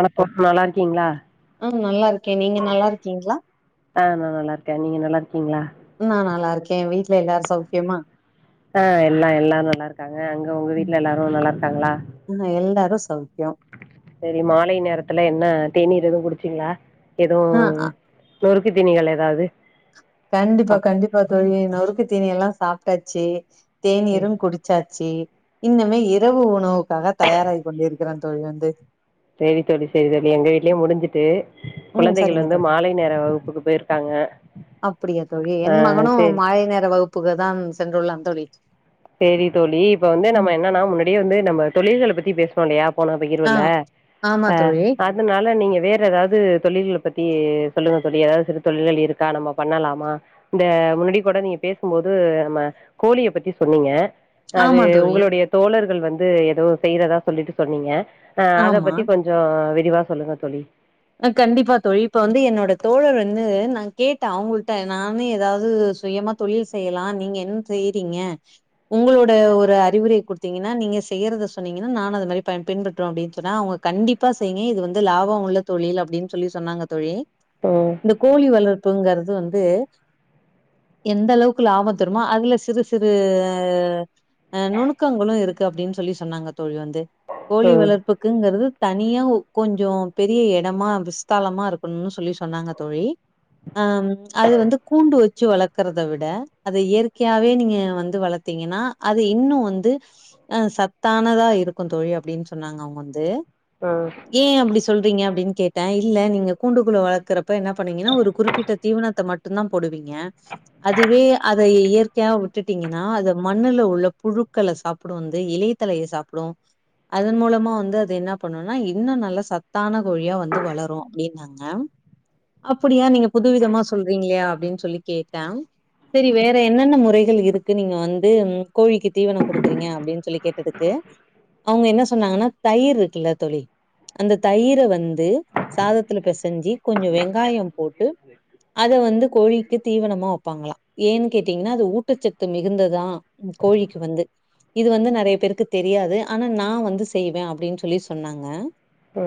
வணக்கோ நல்லா இருக்கீங்களா ம் நல்லா இருக்கே நீங்க நல்லா இருக்கீங்களா ஆ நா நல்லா இருக்கே நீங்க நல்லா இருக்கீங்களா நா நல்லா இருக்கே வீட்ல எல்லாரு சௌக்கியமா ஆ எல்லா எல்லாரு நல்லா இருக்காங்க அங்க உங்க ம். வீட்ல எல்லாரு நல்லா இருக்காங்களா ஆ எல்லாரு சௌக்கியம் சேரி மாலை நேரத்துல என்ன தேநீர் எதுவு குடிச்சீங்களா எதுவு ஆ அ நொறுக்கு தீணிகள் ஏதாவது கண்டிப்பா சாப் கண்டிப்பா தோழி நொறுக்கு தீணி எல்லா சாப்ட்டாச்சு தேநீரு குடிச் சாச்சு இன்னுமே இரவு உணவுக்காக தயாராகி கொண்டிருக்கிறோ தோழி வந்து சேரி தோழி சேரி தோழி எங்க வீடலயு ம் முடிஞ்சுட்டு ம். குழந்தைகள் சரிங்க வந்து தோழி மாலை நேர வகுப்புக்கு போயிருக்காங்க அப்டியா தோழி ஆ என் மகனு சரி மாழை நேர வகுப்புக்கு தான் சென்றுள்ளான் தோழி சேரி தோழி இப்ப வந்து நம்ம ம் என்னன்னா முன்னாடியே வந்து நம்ம தொழில்கள பத்தி பேஸ் தோழி அப்ப நா ஆ போயிருவேல ஆமா அ தோழி அது அதுனால நீங்க வேற ஏதாவது தொழில்கள பத்தி சொல்லுங்க தோழி ஏதாவது சிறு தொழில்கள் இருக்கா நம்ம பண்ணலாமா இந்த முன்னாடியே கூட நீங்க பேசும்போது நம்ம கோழிய பத்தி சொன்னீங்க அது ஆமா தோழி உங்களுடைய தோழர்கள் வந்து ஏதோ செய்றதா சொல்லிட்டு சொன்னீங்க ஆ அத ஆமா பத்தி கொஞ்சோ விரிவா சொல்லுங்க தோழி கண்டிப்பா தோழி இப்ப வந்து என்னோட தோழர் வந்து நான் கேட்டேன் அவங்கள்ட்ட நானே ஏதாவது சுயமா தொழில் செய்யலா நீங்க என்ன செய்றீங்க உங்களோட ஒரு அறிவுரைய குடுத்தீங்கன்னா நீங்க செய்யறதை சொன்னீங்கன்னா நான் அத மாரி பின்பற்றறோம் அப்டின்னு சொன்னா அவங்க கண்டிப்பா செய்ங்க இது வந்து லாபம் உள்ள தொழில் அப்டின்னு சொல்லி சொன்னாங்க தோழி ஆ இந்த கோழி வளர்ப்புங்கிறது வந்து எந்த அளவுக்கு லாபம் தருமோ அதுல சிறு சிறு நுணுக்கங்களும் இருக்கு அப்டின்னு சொல்லி சொன்னாங்க தோழி வந்து கோழி ம் வளர்ப்புக்குங்கிறது தனியா கொஞ்சோ பெரிய இடமா விஸ்தாலமா இருக்கணும்னு சொல்லி சொன்னாங்க தோழி ஆ ம் அது வந்து கூண்டு வெ ச்சு வளர்க்கறத விட அத இயற்கையாவே நீங்க வந்து வளத்தீங்கன்னா அது இன்னு வந்து சத்தானதா இருக்கும் தோழி அப்டின்னு சொன்னாங்க அவங்க வந்து ஆ ஏன் அப்டி ச் சொல்றீங்க அப்டின்னு கேட்டேன் இல்ல நீங்க கூண்டு குள்ள வளர்க்கறப்ப என்ன பண்ணீங்கன்ன ஒரு குறிப்பிட்ட தீவனத்தை மட் டு்ம் தான் போடுவீங்க அதுவே அத இயற்கையா வுட்டுட்டீங்கன்னா அத மண்ணுல உள்ள புழுக்கள சாப் டு வந்து இலையத்தலையை சாப்டும் அதன் மூலமா வந்து அது என்ன பண்ணும்னா இன்னு நல்ல ச த்தான கோழியா வந்து வளரும் அப்டின்னாங்க அப்டியா நீங்க புதுவிதமா சொல்றீங்களே அப்டின்னு சொல்லி கேட்டன் செரி வேற என்னென்ன முறைகள் இருக்கு நீங்க வந்து கோழிக்கு தீவனம் கொடுக்குறீங்க அப்டின்னு சொல்லி கேட்டதுக்கு அவங்க என்ன சொன்னாங்கன்னா தயிர் இருக்குல்ல தோழி அந்த தயிர வந்து சாதத்துல பெசஞ்சு கொஞ்ச வெங்காயம் போட்டு அத வந்து கோழிக்கு தீவனமா வெப்பாங்களா ஏன் கேட்டீங்கன்னா அது ஊட்டச்சத்து மிகுந்ததான் கோழிக்கு வந்து இது வந்து நெறைய பேருக்கு தெரியாது ஆனா நான் வந்து செய்வேன் அப்டின்னு சொல்லி சொன்னாங்க ஆ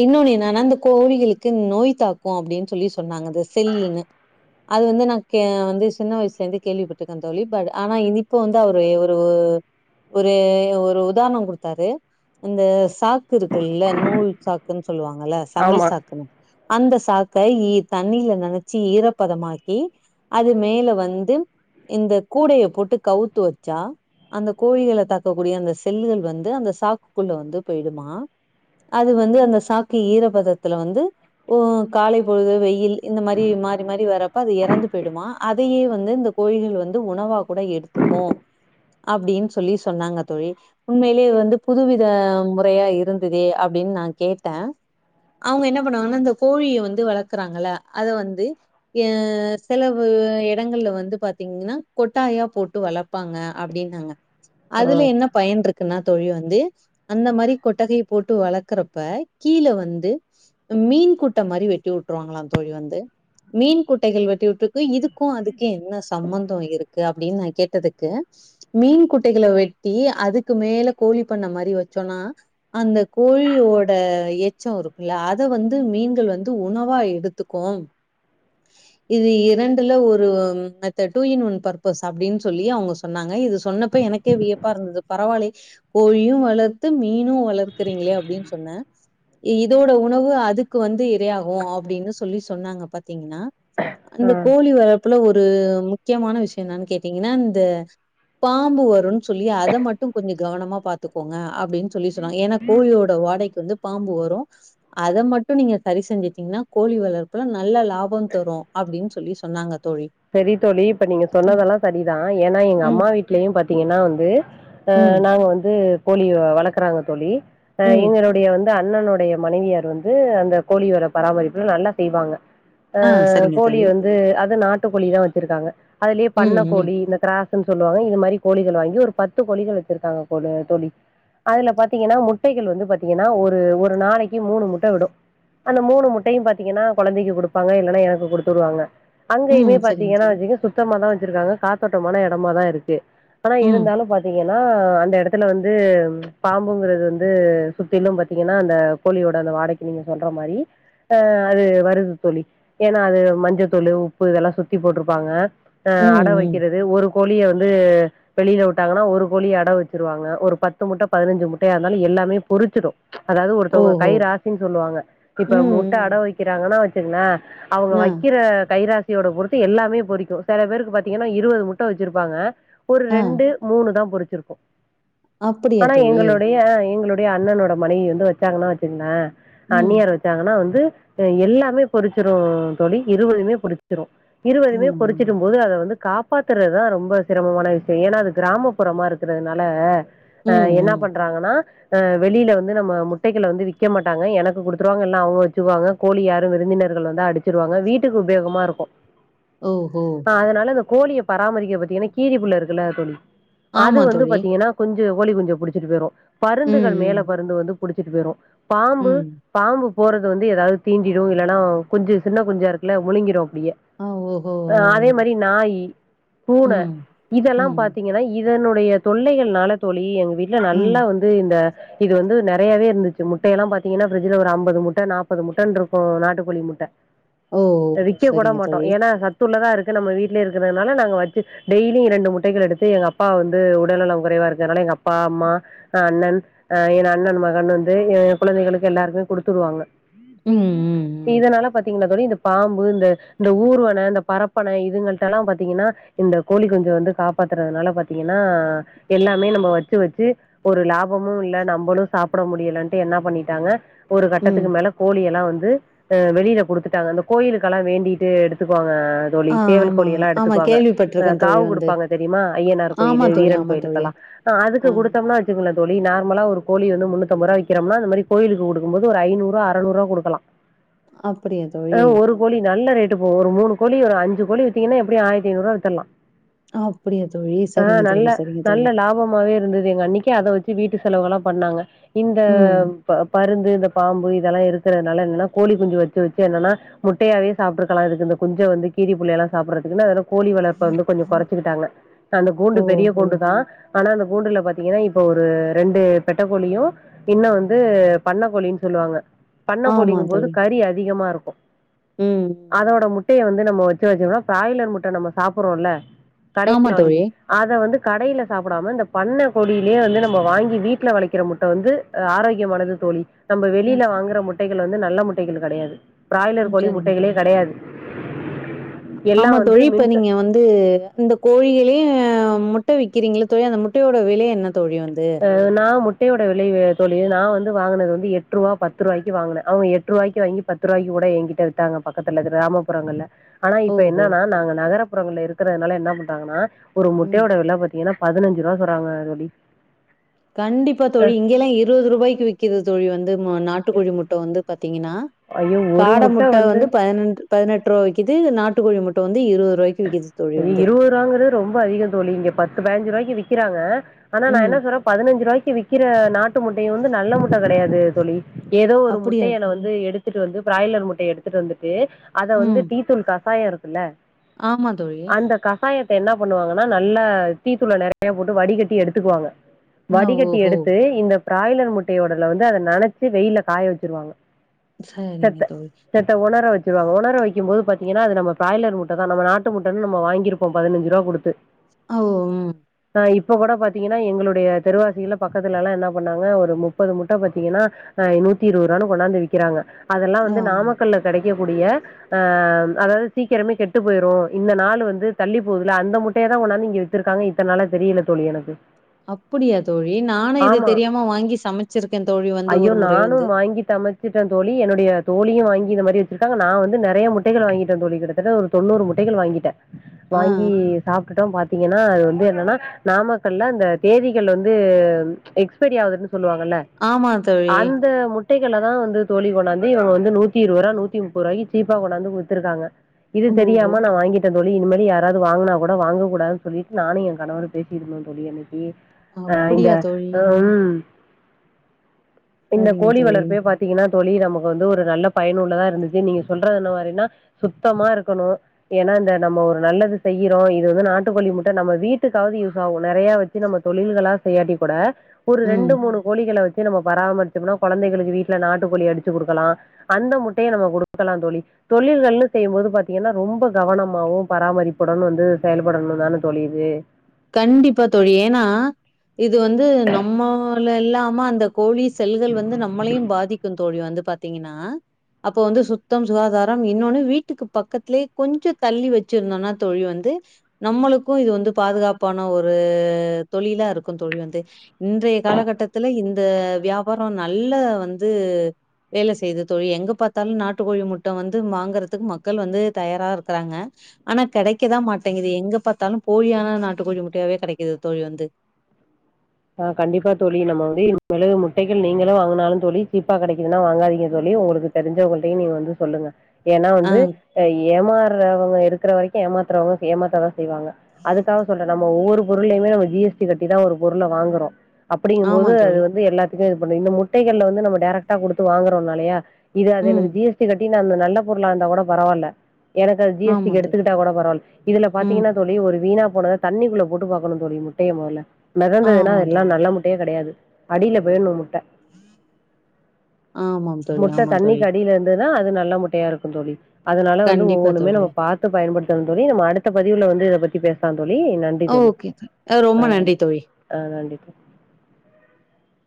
இன்னொன்னு என்னான அந்த கோவழிகளுக்கு நோய் தாக்கும் அப்டின்னு சொல்லி சொன்னாங்க அது செல்லினு அது வந்து நான் வந்து சின்ன வயசுல இருந்து கேள்விப்பட்டிருக்கேன் தோழி பட் ஆனா இனிப்ப வந் த அவரு ஒரு ஒரு ஒரு உதாரணம் கொடுத்தாரு அந்த சாக்கு இருக் இல்ல நூல் சாக்குன்னு சொல்லுவாங்கல்ல சன்னல் ஆமா சாக்குன்னு அந்த சாக்க தண்ணில நெனைச்சி ஈரப் பதமாக்கி அது மேல வந்து இந்த கூடைய போட்டு கவுத்து வெச்சா அந்த கோயழிகள தாக்கக்கூடிய அந்த செல்லுகள் வந்து அந்த சாக்குக்குள்ள வந்து போயி்டமா அது வந்து அந்த சாக்கு ஈரபதத்துல வந்து ஓ காலை பொழுது வெயில் இந்த மாரி மாரி மாரி வர்ப்ப அது இறந்து போயி்டுமா அதையே வந்து இந்த கோயில்கள் வந்து உணவா கூட எடுத்துபோ அப்டின்னு சொல்லி சொன்னாங்க தோழி உண்மையிலயே வந்து புதுவித முறையா இருந் இதுவே அப்டின்னு நான் கேட்டேன் அவங்க என்ன பண்ணுவாங்கன்னா இந்தந்த கோழிய வந்து வளக்குறாங்கல்ல அத வந்து செலவு இடங்கள்ல வந்து பாத்தீங்கன்னா கொட்டாயா போட்டு வளர்ப்பாங்க அப்டின்னாங்க [inaudible] அதுல என்ன பயன் இருக்குன்னா தோழி வந்து அந்த மாரி கொட்டகை போட்டு வளக்குறப்ப கீழ வந்து மீன் கூட்டம் மாரி வெட்டி விட்டுருவாங்களா தோழி வந்து மீன் குட்டைகள் வெட்டி விட்டுருக்கு இதுக்கு அதுக்கு என்ன சம்பந்தோ இருக்கு அப்டின்னு நா கேட்டதுக்கு மீன் குட்டைகளை வெட்டி அதுக்கு மேல கோழி பண்ண மாரி வச்சோன்னா அந்த கோழியோட எச்சொ இருக்குல்ல அத வந்து மீன்கள் வந்து உணவா எடுத்துக்கும் [inaudible] இது இரண்டுல ஒரு method two in one purpose அப்டின்னு சொல்லி அவுங்க சொன்னாங்க இது சொன்னப்ப எனக் கே வியப்பா இருந்தது பரவாயில்யே கோழியு வளர்த்து மீனும் வளர்க்குறீங்களே அப்டின்னு சொன்னே இதோட உணவு அதுக்கு வந்து இரையாகு அப்டின்னு சொல்லி சொன்னாங்க பாத்தீங்கன்னா அந்த ஆ கோழி வளர்ப்புல ஒரு முக்கியமான விஷய என்னான்னு கேட்டீங்கன்னா இந்த பாம்பு வருன்னு சொல்லி அத மட்டு கொஞ்ச கவனமா பாத்துக்கோங்க அப்டின்னு சொல்லி சொன்னாங்க எனக்கு கோழியோட வாடைக்கு வந்து பாம்பு வரு அத மட்டு நீங்க சரி செஞ்சுட்டீங்கன்னா கோழி வளர்ப்புல நல்ல லாபத்தரு அப்டின்னு சொல்லி சொன்னாங்க தோழி சரி தோழி இப்ப நீங்க ம், சொன்னதெல்லா சரிதா ஏன்னா எங்க ம், அம்மா வீட்லயு பாத்தீங்கன்னா வந்து அ ம், நாங்க வந்து கோலிய வளக்கறாங்க தோழி ம். [unintelligible] வந்து அண்ணனுடைய மனைவியார் வந்து அந்த கோழி வர பராமரிப்புல நல்லா செய்வாங்க ஆ சரிங்க கோழி தோழி. வந்து அது நாட்டுக்கோழி தா வச்சிருக்காங்க அதுலயே ம், பண்ண ம், கோழி இந்த கிராஸ் சொல்லுவாங்க இது மாரி கோழிகள் வாங்கி ஒரு பத்து கோழிகள் வச்சிருக்காங்க கோழ தோழி அதுல பாத்தீங்கன்னா முட்டைகள் வந்து பாத்தீங்கன்னா ஒரு ஒரு நாளைக்கு மூணு முட்ட விடு அந்த மூணு முட்டையு பாத்தீங்கன்னா கொழந்தைக்கு கொடுப்பாங்க இல்ன்னா எனக்கு குடுத்துடுவாங்க ம். அங்கயுமே சரிங்க பாத்தீங்கன்னா தோழி. வச்சுக்க சுத்தமா தா வச்சிருக்காங்க காத்தோட்டமான எடமா தா இருக்கு ஆனா ம், இருந்தாலு பாத்து பாத்தீங்கன்னா அந்த எடத்துல வந்து பாம்புங்கிறது வந்து சுத்திலு பாத்தீங்கன்னா அந்த கோழியோட அந்த வாடைக்கு நீங்க சொல்ற மாரி ஆ அது வருதுத்தோழி ஏன்னா அது மஞ்சத்தூலு உப்பு இதெல்லா சுத்தி போட்டிருப்பாங்க ம், அட ம். வைக்குறது ஒரு கோழிய வந்து வெளியில விட்டாங்கன்னா ஒரு கோழிய அட வச்சிருவாங்க ஒரு பத்து முட்ட பதினஞ்சு முட்டையா இருந்தாலு எல்லாமே பொரிச்சிடு அதாவது ஒருத்தவங்க ஓஹோ! கை ராசின்னு சொல்லுவாங்க இப்ப ம், முட்ட அட ம். வைக்கிறாங்கன்னா வச்சுங்ககே அவங்க ஆ, வைக்கிற கைராசியோட பொருத் து எல்லாமே பொறிக்கு சில பேருக்கு பாத்தீங்கன்னா இருபது முட்ட வச்சிருப்பாங்க ஒரு ஆ. ரெண்டு மூணு தா பொரிச்சிருக்கு அப்படியா ஆனா தோழி? எங்களுடைய அ எங்களுடைய அண்ணனோட மனைவி வந்து வச்சாங்கன்னா வச்சுங்களே ம், அன்னியார் வச்சு வச்சாங்கன்னா வந்து எல்லாமே பொரிச்சிடு தோழி இருபதுமே பொடிச்சிடு ம், இருபதுமே ம். பொறிச்சிடும் போது அத வந்து காப் காப்பாத்துறது தா ரொம்ப சிரமமான விஷய ஏன்னா அது கிராமப்புறமா இருக்கிறதுனால அ ம், என்ன ம். பண்றாங்கன்னா அ வெளியில வந்து நம்ம முட்டைகளை வந்து விக்க மாட்டாங்க எனக்கு குடுத்துருவாங்க இல்லா அவுங்க வச்சுக்குவாங்க கோழி யாரு விருந்தினர்கள் வந்து அடிச்சிருவாங்க வீட்டுக்கு உபயோகமா இருக்கு ஓ ஹோ அதனால அந்த கோழிய பராமரிக்க பத்திங்கன்னா கீரி புள்ள இருக்குல்ல தோழி அது ஆமா வந்து தோழி. பாத்தீங்கன்னா குஞ்சு கோழி குஞ்சு புடிச்சிட்டு போயிரு பருந்துகள் மேல ம், பருந்து வந்து புடிச்சிட்டு போயிரு ம், பாம்பு ம். பாம்பு போறது வந்து ஏதாவது தீண்டிடு இல்லன்னா குஞ்சு சின்ன குஞ்சா இருக்குல்ல முழுங்கிடு அப்டியே ஓ ஓ அதே மாரி நாயி பூன ம், இதெல்லா ம், பாத்தீ இதனுடைய தொல்லைகள்னால தோழி எங்க வீட்ல ம். நல்லா வந்து இந்த இது வந்து நெறையாவே இருந்துச்சு முட்டையல்லா பாத்தீங்கன்னா பிர்ஜ்ட்ல ஒரு அம்பது முட்ட நாப்பது முட்ட இருக்கு நாட்டுக்கோழி முட்ட ஓ! அத விக்க கூட சரிங்க மாட்டோ தோழி. ஏன்னா சத்துள்ளதா இருக்கு நம்ம வீட்லயே இருக்கறதுனால நாங்க வச்சு டெய்லியு ரெண்டு முட்டைகள எடுத்து எங்க அப் பா வந்து உடல்நலம் குறைவா இருக்கதுனால எங்க அப்பா அம்மா அண்ணன் ஆ என் அண்ணன் மகன் வந்து ஏ குழந்தைகளுக்கு எல்லாருமே குடுத்துடுவாங்க ம், ம், இதனால பாத்தீங்கன்னா தோழி இந்த பாம்பு இந்த இந்த ஊர்வன இந்த பரப்பன இதுங்கள்டல்லா பாத்தீங்கன்னா இந்த கோழி குஞ்ச வந்து காப்பாத்துறதுனால பாத்தீங்கன்னா எல்லாமே நம்ம வச்சி வச்சி ஒரு லாபமு இல்ல நம்மளு சாப்ட முடியலன்டு என்ன பண்ணிட்டாங்க ஒரு ம், ம். கட்டத்துக்கு மேல கோழி எல்லா வந்து ஆ வெளில குடுத்துட்டாங்க அந்த கோயிலுக்கு எல்லா வேண்டி தே எடுத்துக்கோங்க தோழி ஆ, சேவல் ஆமா, கோழி எல்லா ஆமா. எடுத்துக்குவாங்க ஆ கேள்விப்பட்டுருக்கேன் தோழி காவு வந்து. குடுப்பாங்க தெரியுமா அய்யனார் ஆமா கோயிலு தோழி, வீரன் ஆமா தோழி. கோயிலுக்கெல்லா ஆ அதுக்கு குடுத்தம்னா வச்சுக்கோங்களே தோழி நார்மல ஒரு கோழி வந்து முன்னத்தம்பது ரூவா விக்கிறம்னா அந்த மாரி கோயிலுக்கு குடுக்கும் போது ஒரு ஐநூறு அரநூறுவா குடுக்கலா அப்டியா ஆ தோழி ஒரு கோழி நல்ல ரேட்டு போவு ஒரு மூணு கோழி ஒரு அஞ்சி கோழி வித்தீங்கன்னா எப்டி ஆயரத்தி ஐநூவா வித்தர்லா அப்டியா தோழி சரிங்க தோழி சரிங்க தோழி போமாவே இருந்தது எங்க அண்ணிக்கி அத வச்சி வீட்டு செலவு எல்லா பண்ணாங்க இந்த ம். பருந்து இந்த பாம்பு இதெல்லா இருக்கறதுனால என்னன்னா கோழி குஞ்சு வச்சு வச்சு என்னன்னா முட்டையாவே சாப்ட்ருக் கலா இதுக்கு இந்த குஞ்ச வந்து கிரீ புள்ள எல்லா சாப்ட்றதுக்கு நா வேணா கோழி வளர்ப்ப வந்து கொஞ்சோ கொறச்சிகிட்டாங்க அந்த கூண்டு பெரிய ஓஹோ! கூண்டு தா ஆனா அந்த கூண்டுல பாத்தீங்கன்னா இப்ப ஒரு ரெண்டு பெட்டக்கோழியு இன்னோ வந்து பண்ணக்கோழின் சொல்லுவாங்க பண்ண ஆமா கோழிங்கம் போது தோழி. கறி அதிகமா இருக்கு ம், அதோட ம். முட்டைய வந்து நம்ம வச்சு வச்சோம்னா பிராய்லர் முட்டை நம்ம சாப்ட்றோல்ல ஆமா கடேல வாங்கி தோழி. அத வந்து கடேல சாப்டாம இந்த பண்ண கோழிலயே வந்து நம்ம வாங்கி வீட்ல வளைக்கிற முட்ட வந்து ஆரோக்கியமானது தோழி நம்ம ம், வெளில ச வாங்குற முட்டைகள் வந்து நல்ல முட்டைகள் கெடையாது பிராய்லர் ம், கோழி சரிங்க முட்டைகளே தோழி. கெடையாது எல்லா ஆமா வந்து தோழி இப்ப மின்ச நீங்க வந்து இந்த கோழிகளே முட்ட விக்கிறீங்களே தோழி அந்த முட்டையோட விலை என்ன தோழி வந்து நா முட்டயோட விலை தோழி நா வந்து வாங்கினது வந்து எட்டு ரூவா பத்து ரூவாக்கு வாங்கினே அவுங்க எட்டு ரூபாக்கு வாங்கி பத்து ருவாக்கி கூட எங்கிட்ட வித்தாங்க பக்கத்துல கிராமப்புறங்கள்ல ஆனா இப்ப ஓஹோ! என்னன்னா நாங்க நகரபுறங்கள்ல இருக்கறதுனால என்ன பண்றாங்கன்னா ஒரு ம். முட்டையோட வெல பாத்தீங்கன்னா பதினஞ்சி ரூவா சொர்றாங்க தோழி கண்டிப்பா தோழி அஹ் இங்கெல்லா இருவது ரூவாய்க்கு விக்கிது தோழி வந்து நாட்டுக்கோழி முட்டை வந்து பத்திங்கன்னா காட முட்ட வந்து பதினென் பதினெட்டு ரூவா விக்கிது நாட்டுக்கோழி முட்டை வந்து இருபது ரூபாய்க்கி தோழி இருவது ரூவாங்கறது ரொம்ப அதிகோ தோழி இங்க பத்து பதினஞ்சி ரூவாய்க்கு விக்கிறாங்க ஆனா நா ம். என்ன சொல்றே பதினஞ்சு ரூவாய்க்கி விக்கிற நாட்டு முட்டையு வந்து நல்ல முட்ட கெடையாது தோழி ஏதோ ஒரு அப்படியா முட்டைகள தோழி? வந்து எடுத்துட்டு வந்து பிராய்லர் முட்டைய எடுத்துட்டு வந்துட்டு அத வந்து ம். டீ தூள் கசாயோ இருக்குல்ல ஆமா தோழி அந்த கசாயத்தை என்ன பண்ணுவாங்கன்னா நல்லா டீதூள்ல நெறையா போட்டு வடிகட்டி எடுத்துக்குவாங்க அ வடிகட்டி ஓஹோ! எடுத்து இந்த பிராய்லர் முட்டையோடல வந்து அத நனச்சி வெயில்ல காய வச்சிருவாங்க சரிங்க தோழி உணர வச்சிருவங்க உணர வைக்கும் போது பாத்தீங்கன்னா அது நம்ம பிராய்லர் முட்ட தா நம நாட் நாட்டு முட்டன்னு நம்ம வாங்கிருப்போ பதினஞ்சி ரூபா குடுத்து ஓ ம் இதோ இப்ப கூட பாத்தீங்கன்னா எங்களுடைய தெருவாசிகல்லா பக்கத்துல எல்லா என்னா பண்ணாங்க ஒரு முப்பது முட்ட பாத்தீங்கன்னா ஆ நூத்தி இருவது ரூபான்னு கொண்டாந்து வித் க்கிறாங்க அதெல்லா வந்து ஆமா. நாமக்கல்ல கெடைக்கக்கூடிய அ அதாவது சீக்கிரமே கெட்டு போயிரு இந்த நாளு வந்து தள்ளி போதுல அந்த முட்டய தா கொன்னாந்து இங்க வித்துருக்காங்க இத்தன் நாள தெரியல தோழி எனக்கு அப்புடியா தோழி நானு இது ஆமா தெரியாம வாங்கி சமச்சிருக்கே தோழி வந்து ஐயோ ஒரு முறை நானு வந்து வாங்கி சமச் சிட்டே தோழி என்னுடைய தோழியு வாங்கி இது மாரி வெச்சிருக்காங்க நா வந்து நெறைய முட்டைகள் வாங்கிட்டே தோழி கிட்டத்தட்ட ஒரு தொண்ணூறு முட் முட்டைகள் வாங்கிட்ட ஆ, வாங்கி ஆ. சாப்டுட்டே பாத்தீங்கன்னா அது வந்து என்னன்னா நாமக்கல்ல அந்த தேதிகள் வந்து எக்ஸ்பைரி ஆனதுன்னு சொல்லுவாங்கல்ல ஆமா தோழி. அந்த முட் முட்டைகள தா வந்து தோழி கொனாந்து இவங்க வந்து நூத்தி இருவது ரூபா நூத்தி முப்பதுரூபாய்க்கு சீப்பா கொனாந்து குடுத்துருக்காங்க இது தெரியாம ஓஹோ! வாங்கிட்ட தோழி இனிமே யாராது வாங்கினா கூட வாங்கக்க கூடா சொல்லிட்டு நானு என் கணவரு பேசி இருந்தோ தோழி இனி அ இந்த அப்படியா தோழி? அ ம் இந்த சரிங்க கோழி தோழி. வளர்ப்பே பாத் பாத்தீங்கன்னா தோழி நமக்கு வந்து ஒரு நல்ல பயனுள்ளதா இருந்துச்சி நீங்க சொல்றது என்ன மாரினா சுத்தமா இருக்கணு ஏன்னா இந்த நம்ம ஒரு நல்லது செய்யிறோ இது வந்து நாட்டுக்கோழி முட்ட நம்ம வீட்டுக்காவது யூஸ் ஆகு நெறைய வச் நம்ம தொழில்களா செய்யாட்டி கூட ஒரு ம். ரெண்டு மூணு கோழிகள வெச்சி நம்ம பராமரிச்சோனா கொழந்தைகளுக்கு வீட்ல நாட்டு கோழி அடிச்சி குடுக்கலா அந்த முட்டைய நம்ம குடுக்கலா தோழி தொழில்கள்னு செய்யும்போது பாத்தீங்கன்னா ரொம்ப கவனமாவு பராமரிப்புடன் வந்து செயல்படனு தானே தோழி இது கண்டிப்பா தோழி ஏன்னா இது வந்து நம்மல் இல்லாம அந்த கோழி செல்கள் வந்து நம்மளையும் பாதிக்கும் தோழி வந்து பாத்தீங்கன்னா அப்போ வந்து சுத்தம் சுகாதாரம் இன்னொன்னு வீட்டுக்கு பக்கத்துலேயே கொஞ்சோ தள்ளி வெச்சிருந்தோம்னா தோழி வந்து நம்மளுக்கு இது வந்து பாதுகாப் ப்பான ஒரு தொழிலா இருக்கு தோழி வந்து இன்றைய காலகட்டத்தில இந்த வியா பாரோ நல்ல வந்து வேல செய்து தோழி எங்க பாத்தாலு நாட்டுக்கோழி முட்ட வந்து வாங்குறதுக்கு மக்கள் வந்து தயாரா இருக்றாங்க ஆனா கெடைக்கதா மாட்டேங்கிது எங்க பாத்தாலு போலியான நாட்டுக்கோழி முட்டையாவே கெடைக்குது தோழி வந்து ஆ கண்டிப்பா தோழி நம்ம வந்து இனிமேலு முட்டைகள் நீங்களும் வாங்குனாலு தோழி சீப்பா கெடைக்குதுன்னா வாங்காதீங்க தோழி உங்களுக்கு தெரிஞ்சவங்கள்டையு நீங்க வந்து சொல்லுங்க ஏன்னா ஆ வந்து ஏமாற்றவங்க இருக்கற வரைக்கு ஏமாத்துறவங்க ஏமாத்ததா செய் செய்வாங்க அதுக்காக சொல்ற நம்ம ஒவ்வொரு பொருளலையுமே நம்ம ஜி எஸ் டி கட்டிதா ஒரு பொருள வாங்குறோ ஆமா அப்டிங்கும்போது அது தோழி வந்து எல்லாத்துக்கு இது பண்ணும் இந்த முட்டைகள்ல வந்து நம்ம டேரெக்டா குடுத்து வாங்குறோநாலையா இது அது ம் எனக்கு ஜி எஸ் டி கட்டி அந்த நல்ல பொருளா இருந்தா கூட பரவால்ல எனக்கு அது ஜி எஸ் டி ஆமா க்கு தோழி எடுத்துக்கிட்டா கூட பரவால்ல இதுல ம் பாத்தீங்கன்னா தோழி ஒரு வீணா போனத தண்ணிக்குள்ள போட்டு பாக்கனு தோழி முட்டைய மொதல மெதந்ததுன்னா ஆமா அதெல்லா தோழி நல்ல முட்டையே கெடையாது அடில போயிட்னு முட்ட ஆமாம் தோழி முட்ட ஆமா தோழி தண்ணிக்கு அடில இருந் ந்துனா அது நல்லா முட்டையா இருக்கு தோழி அதனால வந்து கண்டிப்பா ஒவ்வொன்னுமே தோழி நம்ம பாத்து த்து பயன்டுத்தனு தோழி நம்ம அடுத்த பதிவுல வந்து இத பத்தி பேசலா தோழி நன்றி அ தோழி ஓகே தோழி ரொம்ப நன்றி தோழி ஆ நன்றி தோழி